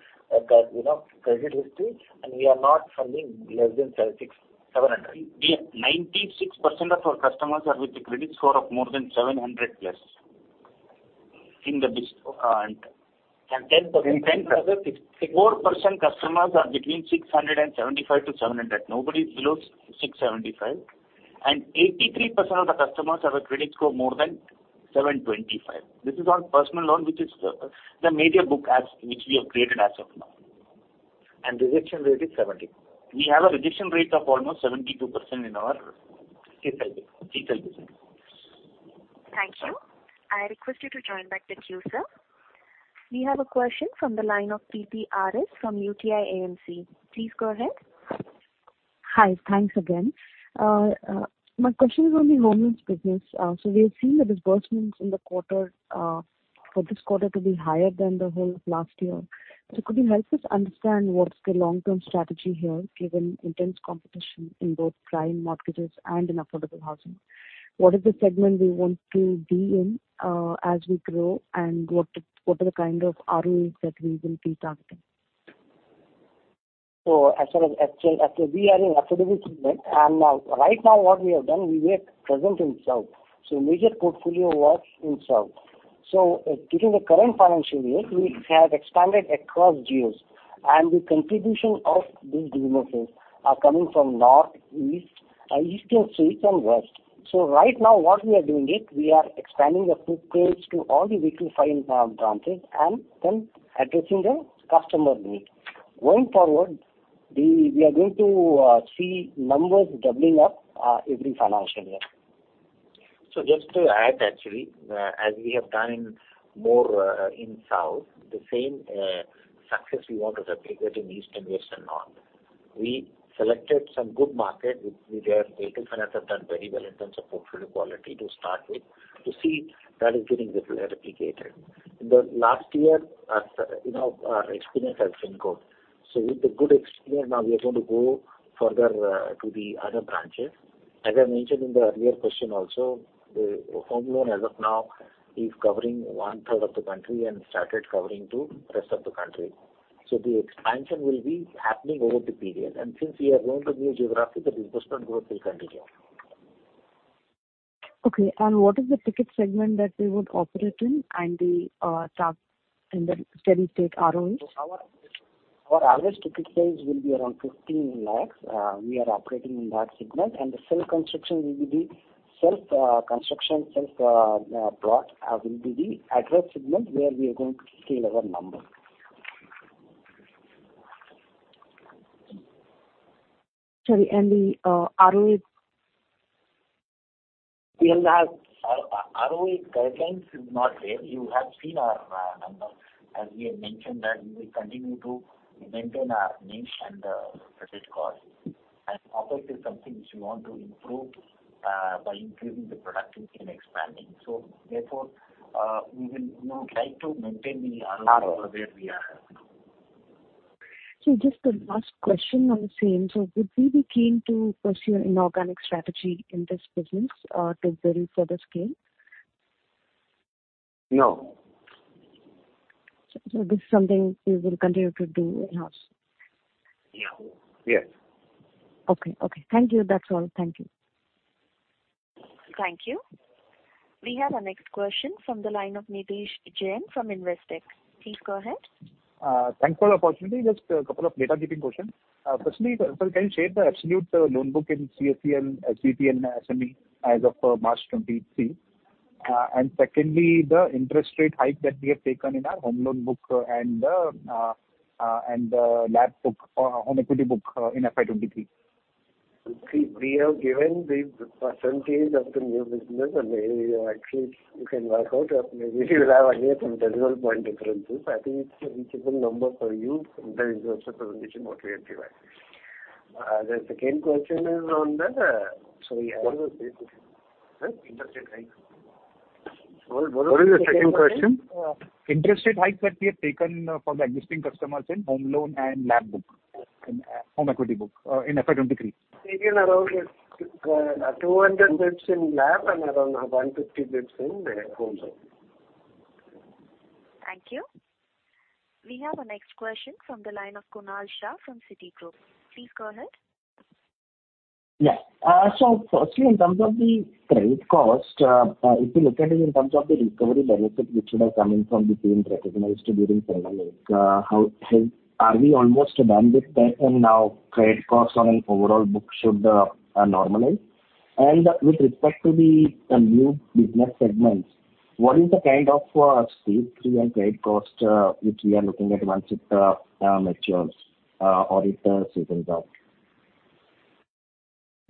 you know, credit history, and we are not funding less than 700. 96% of our customers are with the credit score of more than 700+. 10% 10%, 4% customers are between 675-700. Nobody is below 675. And, 83% of the customers have a credit score more than 725. This is our personal loan, which is the major book as which we have created as of now. rejection rate is 70%. We have a rejection rate of almost 72% in our CSEL business. Thank you. I request you to join back the queue, sir. We have a question from the line of Preethi RS from UTI AMC. Please go ahead. Hi. Thanks again. My question is on the HL business. We have seen the disbursements in the quarter, for this quarter to be higher than the whole of last year. Could you help us understand what's the long-term strategy here, given intense competition in both prime mortgages and in affordable housing? What is the segment we want to be in, as we grow, and what are the kind of ROEs that we will be targeting? As far as... Actually, actually, we are in affordable segment. Right now what we have done, we were present in South. Major portfolio was in South. During the current financial year, we have expanded across geos, and the contribution of these businesses are coming from North, East, Eastern, East and West. Right now what we are doing is we are expanding the footprint to all the Vehicle Finance branches and then addressing the customer need. Going forward, we are going to see numbers doubling up every financial year. Just to add actually, as we have done in more in South, the same success we want to replicate in East and West and North. We selected some good market which have HDFC have done very well in terms of portfolio quality to start with. To see that is getting replicated. In the last year, you know, our experience has been good. With the good experience now we are going to go further to the other branches. As I mentioned in the earlier question also, the home loan as of now is covering 1/3 of the country and started covering to rest of the country. The expansion will be happening over the period. Since we are going to new geography, the disbursement growth will continue. Okay. What is the ticket segment that we would operate in and the, can we take ROEs? Our average ticket size will be around 15 lakhs. We are operating in that segment. The self-construction will be self construction, self brought will be the address segment where we are going to scale our number. Sorry, and the ROEs? ROE guidelines is not there. You have seen our numbers. As we have mentioned that we will continue to maintain our niche and credit cost. Operative is something which we want to improve by improving the productivity and expanding. Therefore, we will, you know, try to maintain the ROE. ROE. where we are. Just a last question on the same. Would we be keen to pursue an inorganic strategy in this business to build further scale? No. This is something we will continue to do in-house? Yeah. Yes. Okay. Okay. Thank you. That's all. Thank you. Thank you. We have our next question from the line of Nidhesh Jain from Investec. Please go ahead. Thanks for the opportunity. Just a couple of data-giving questions. Firstly, sir, can you share the absolute loan book in CSEL and HDB and SME as of March 2023? Secondly, the interest rate hike that we have taken in our home loan book, and LAP book or home equity book, in FY 2023. We have given the percentage of the new business and we are actually, you can work out. Maybe we will have only a 10 decimal point differences. I think it's a reachable number for you. The disbursement which is what we are giving. Sorry, I don't know. Interest rate hike. Huh? Interest rate hike. What was the second question? What is the second question? Interest rate hike that we have taken for the existing customers in home loan and LAP book, home equity book, in FY 23. It is around, 200 basis in LAP and around 150 basis in home loan. Thank you. We have our next question from the line of Kunal Shah from Citigroup. Please go ahead. Firstly in terms of the credit cost, if you look at it in terms of the recovery benefit which would have come in from the team recognized during pandemic, are we almost done with that and now credit costs on an overall book should normalize? With respect to the new business segments, what is the kind of Stage 3 and credit cost which we are looking at once it matures or it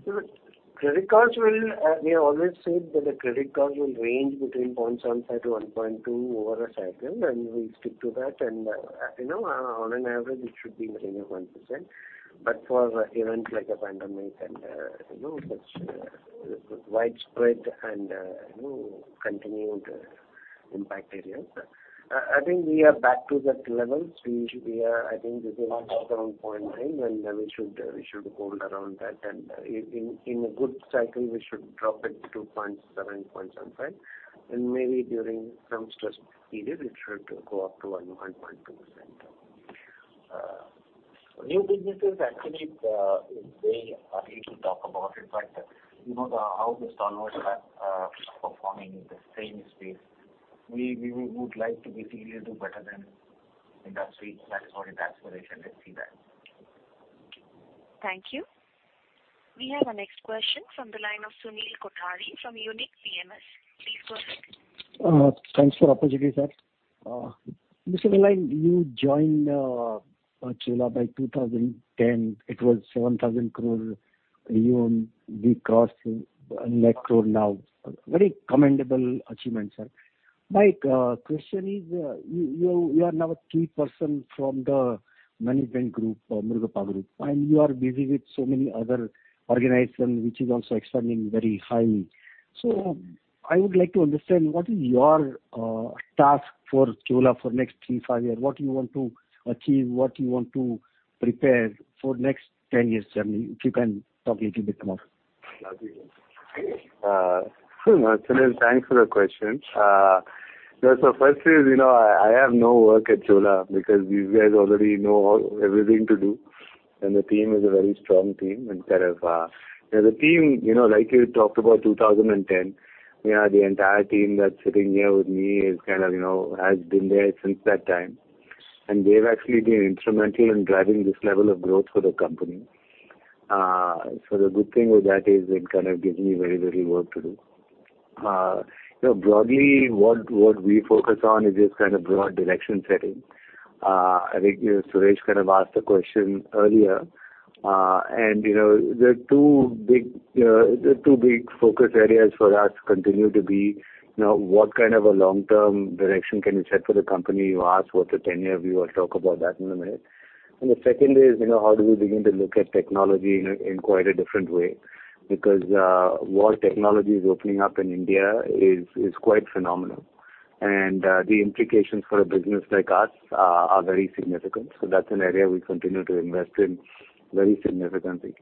smoothens out? Credit costs will. We have always said that the credit cost will range between 0.75%-1.2% over a cycle, and we stick to that. You know, on an average it should be in the range of 1%. But for events like a pandemic and, you know, such widespread and, you know, continued impact areas, I think we are back to that level. We should be, I think this is around 0.9% and we should hold around that. In a good cycle we should drop it to 0.7%-0.75%. Maybe during some stress period it should go up to 1%-1.2%. New businesses actually, it's very early to talk about it, but you know the, how the startups are performing in the same space. We would like to be slightly little better than industry. That is our aspiration. Let's see that. Thank you. We have our next question from the line of Sunil Kothari from Unique PMS. Please go ahead. Thanks for the opportunity, sir. Mr. Vellayan, you joined. Chola by 2010, it was 7,000 crore Mm-hmm. Even we crossed 1 lakh crore now. Very commendable achievement, sir. My question is, you are now a key person from the management group, Murugappa Group, and you are busy with so many other organization which is also expanding very high. I would like to understand what is your task for Chola for next three, five year. What do you want to achieve? What do you want to prepare for next 10 years' journey? If you can talk little bit more. Sure, Sunil. Thanks for the question. First is, you know, I have no work at Chola because these guys already know all everything to do, and the team is a very strong team and kind of, you know, the team, you know, like you talked about 2010, you know, the entire team that's sitting here with me is kind of, you know, has been there since that time, and they've actually been instrumental in driving this level of growth for the company. The good thing with that is it kind of gives me very, very work to do. You know, broadly what we focus on is just kind of broad direction setting. I think, you know, Suresh kind of asked the question earlier. You know, the two big focus areas for us continue to be, you know, what kind of a long-term direction can we set for the company. You asked what the 10-year view, I'll talk about that in a minute. The second is, you know, how do we begin to look at technology in quite a different way? What technology is opening up in India is quite phenomenal. The implications for a business like us are very significant, that's an area we continue to invest in very significantly.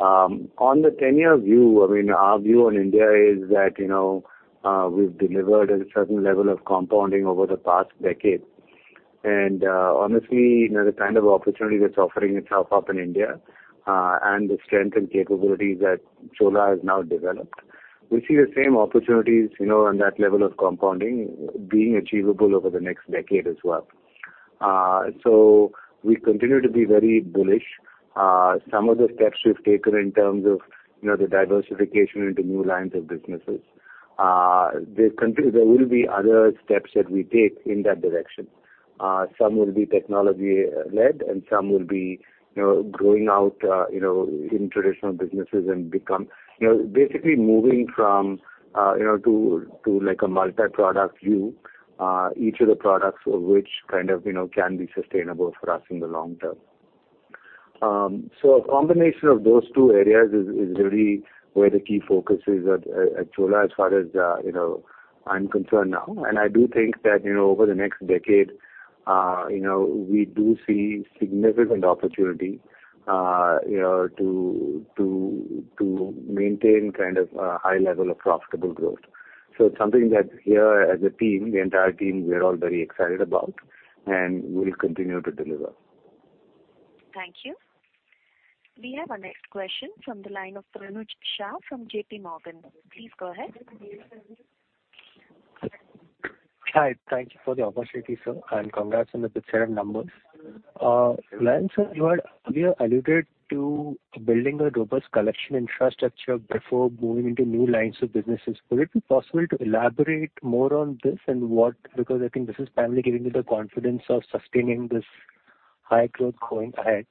On the 10-year view, I mean, our view on India is that, you know, we've delivered a certain level of compounding over the past decade. Honestly, you know, the kind of opportunity that's offering itself up in India, and the strength and capabilities that Chola has now developed, we see the same opportunities, you know, and that level of compounding being achievable over the next decade as well. So we continue to be very bullish. Some of the steps we've taken in terms of, you know, the diversification into new lines of businesses, they continue. There will be other steps that we take in that direction. Some will be technology led, and some will be, you know, growing out, you know, in traditional businesses. You know, basically moving from, you know, to like a multi-product view, each of the products of which kind of, you know, can be sustainable for us in the long term. A combination of those two areas is really where the key focus is at Chola as far as, you know, I'm concerned now. I do think that, you know, over the next decade, you know, we do see significant opportunity, you know, to maintain kind of a high level of profitable growth. It's something that here as a team, the entire team, we are all very excited about, and we'll continue to deliver. Thank you. We have our next question from the line of Pranuj Shah from JP Morgan. Please go ahead. Hi. Thank you for the opportunity, sir, and congrats on the good set of numbers. Well, sir, you had earlier alluded to building a robust collection infrastructure before moving into new lines of businesses. Would it be possible to elaborate more on this, because I think this is primarily giving you the confidence of sustaining this high growth going ahead.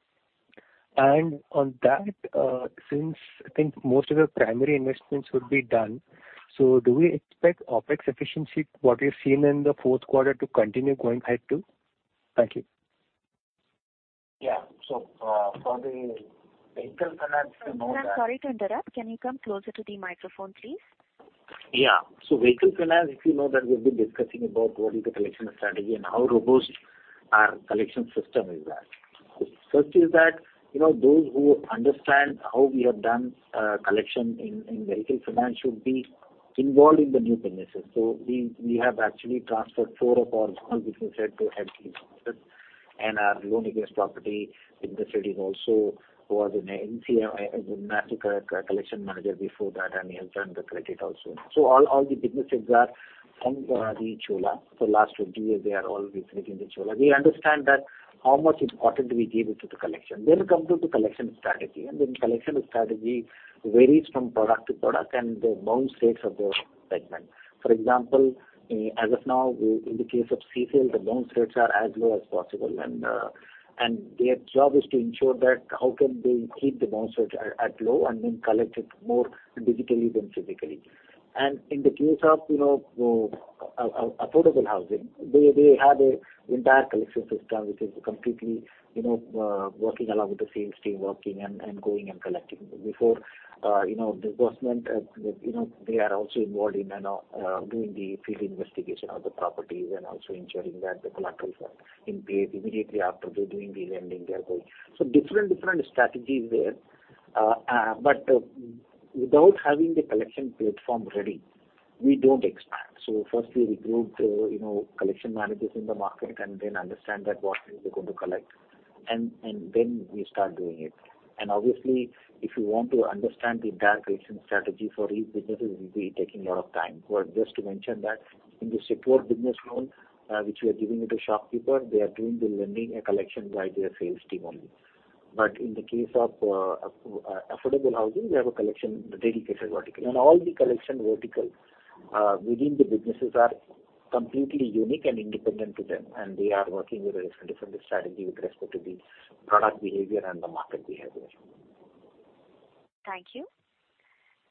On that, since I think most of your primary investments would be done, do we expect OpEx efficiency, what we've seen in the fourth quarter, to continue going ahead, too? Thank you. Yeah. For the Vehicle Finance, you know. Sir, I'm sorry to interrupt. Can you come closer to the microphone, please? Yeah. Vehicle Finance, if you know that we've been discussing about what is the collection strategy and how robust our collection system is at. First is that, you know, those who understand how we have done collection in Vehicle Finance should be involved in the new businesses. We have actually transferred four of our business head to Mm-hmm. Our loan against property business head is also who was in a massive co- collection manager before that, and he has done the credit also. All the businesses are from the Chola. For last 20 years, they are all recruiting the Chola. We understand that how much important we give it to the collection. Come to the collection strategy. Collection strategy varies from product to product and the bounce rates of the segment. For example, as of now, in the case of CSEL, the bounce rates are as low as possible. Their job is to ensure that how can they keep the bounce rate at low and then collect it more digitally than physically. In the case of, you know, affordable housing, they have an entire collection system which is completely, you know, working along with the sales team, working and going and collecting. Before, you know, disbursement, you know, they are also involved in, you know, doing the field investigation of the properties and also ensuring that the collaterals are in place immediately after they're doing the lending they're going. Different strategies there. Without having the collection platform ready, we don't expand. Firstly we build, you know, collection managers in the market and then understand that what things they're going to collect, and then we start doing it. Obviously, if you want to understand the entire collection strategy for each businesses, it'll be taking a lot of time. just to mention that in the secured business loan, which we are giving it to shopkeeper, they are doing the lending and collection by their sales team only. In the case of affordable housing, we have a collection dedicated vertical. All the collection vertical within the businesses are Completely unique and independent to them, and we are working with a different strategy with respect to the product behavior and the market behavior. Thank you.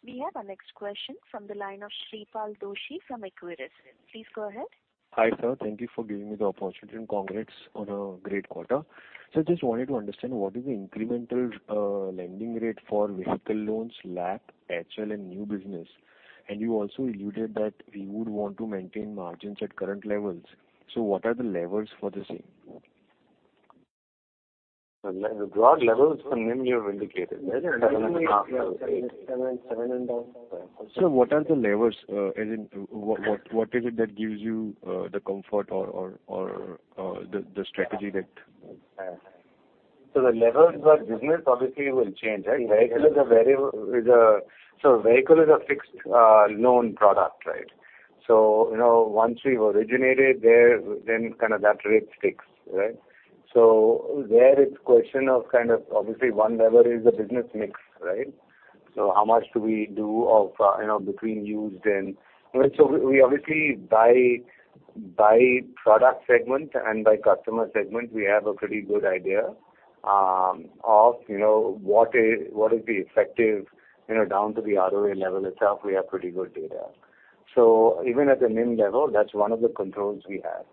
We have our next question from the line of Shreepal Doshi from Equirus. Please go ahead. Hi, sir. Thank you for giving me the opportunity and congrats on a great quarter. I just wanted to understand what is the incremental lending rate for vehicle loans, LAP, HL and new business. You also alluded that you would want to maintain margins at current levels. What are the levels for the same? The broad levels for NIM you have indicated, right? 7.5%. Sir, what are the levels? As in what is it that gives you the comfort or the strategy that... The levels of business obviously will change, right? Vehicle is a fixed known product, right? You know, once we originate it, there, then kind of that rate sticks, right? There it's question of kind of obviously one lever is the business mix, right? How much do we do of, you know, between used and we obviously by product segment and by customer segment, we have a pretty good idea of, you know, what is, what is the effective, you know, down to the ROA level itself, we have pretty good data. Even at the NIM level, that's one of the controls we have,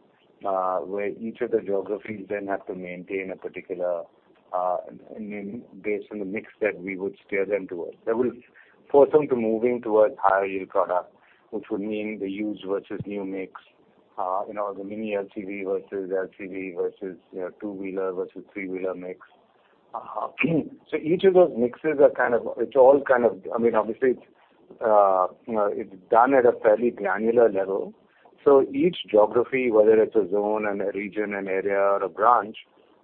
where each of the geographies then have to maintain a particular NIM based on the mix that we would steer them towards. That will force them to moving towards higher yield product, which would mean the used versus new mix, you know, the mini LCV versus LCV versus, you know, two-wheeler versus three-wheeler mix. Each of those mixes are kind of, it's all kind of, I mean, obviously it's, you know, it's done at a fairly granular level. Each geography, whether it's a zone, an region, an area or a branch,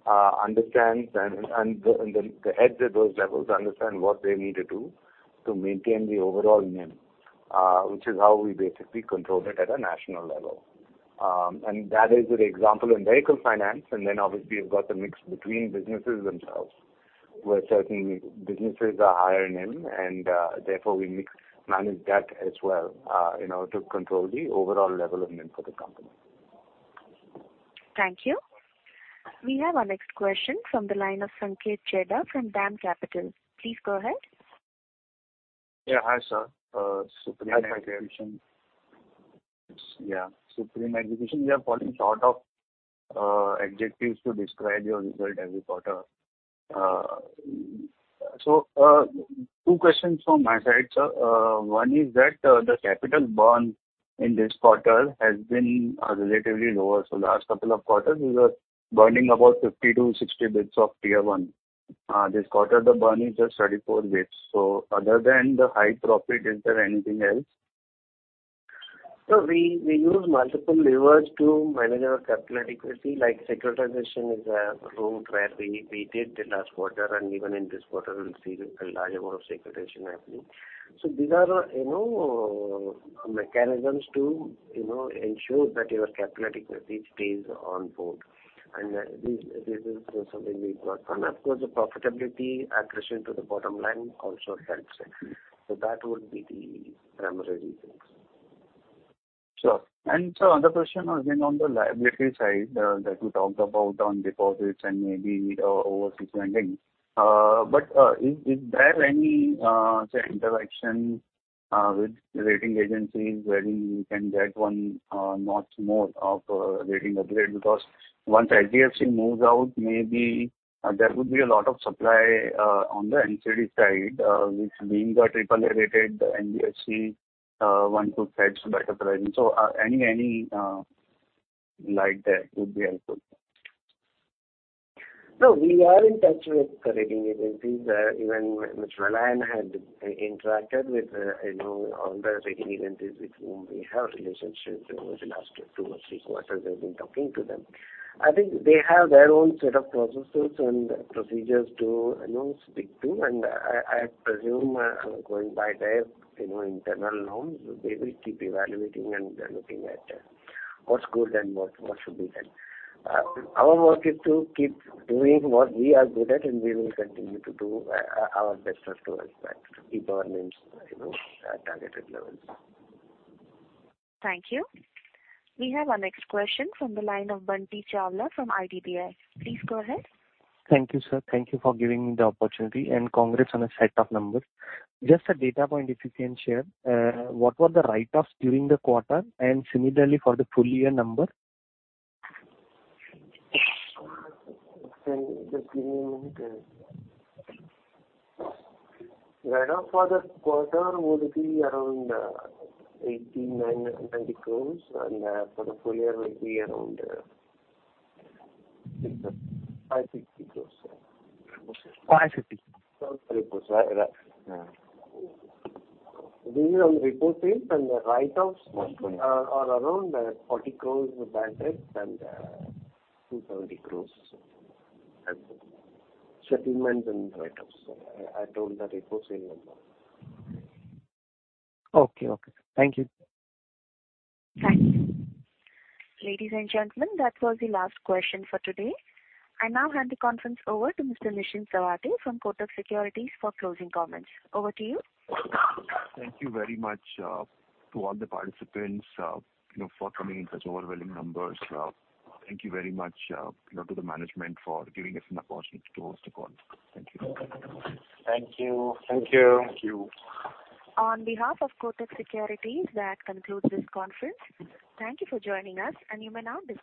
understands and the heads at those levels understand what they need to do to maintain the overall NIM, which is how we basically control it at a national level. That is the example in Vehicle Finance, obviously you've got the mix between businesses themselves, where certain businesses are higher NIM and, therefore we mix, manage that as well, in order to control the overall level of NIM for the company. Thank you. We have our next question from the line of Sanket Chheda from DAM Capital. Please go ahead. Yeah. Hi, sir. Supreme Education. Hi, Sanket. Yeah. Supreme Education. We are falling short of adjectives to describe your result every quarter. Two questions from my side, sir. One is that the capital burn in this quarter has been relatively lower. Last couple of quarters we were burning about 50 to 60 basis of Tier-1. This quarter the burn is just 34 basis. Other than the high profit, is there anything else? We use multiple levers to manage our capital adequacy, like securitization is a route where we did in last quarter and even in this quarter we'll see a large amount of securitization happening. These are, you know, mechanisms to, you know, ensure that your capital adequacy stays on board. This is something we've got. Of course the profitability accretion to the bottom line also helps it. That would be the primary reasons. Sure. Sir, the question has been on the liability side, that you talked about on deposits and maybe over seasoning. Is there any, say, interaction with rating agencies where you can get one notch more of a rating upgrade? Because once HDFC moves out, maybe, there would be a lot of supply on the NCD side, which being the AAA-rated NBFC, one could fetch better pricing. Any light there would be helpful. No, we are in touch with the rating agencies. Even Mr. Arul had interacted with, you know, on the rating agencies with whom we have relationships over the last two or three quarters we've been talking to them. I think they have their own set of processes and procedures to, you know, speak to. I presume, going by their, you know, internal norms, they will keep evaluating and they're looking at, what's good and what should be done. Our work is to keep doing what we are good at and we will continue to do our best to expect to keep our NIMs, you know, at targeted levels. Thank you. We have our next question from the line of Bunty Chawla from IDBI. Please go ahead. Thank you, sir. Thank you for giving me the opportunity and congrats on a set of numbers. Just a data point if you can share, what were the write-offs during the quarter and similarly for the full year number? Write-off for the quarter would be around 80-90 crores and for the full year will be around 650 crores, sir. 550? Sorry, reports. Right. Yeah. These are on the report page and the write-offs are around 40 crores bad debts and 270 crores settlements and write-offs. I told the report same number. Okay. Okay. Thank you. Thanks. Ladies and gentlemen, that was the last question for today. I now hand the conference over to Mr. Nischint Chawathe from Kotak Securities for closing comments. Over to you. Thank you very much to all the participants, you know, for coming in such overwhelming numbers. Thank you very much, you know, to the management for giving us an opportunity to host the call. Thank you. Thank you. Thank you. Thank you. On behalf of Kotak Securities, that concludes this conference. Thank you for joining us, and you may now disconnect your lines.